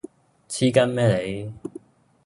黐筋咩你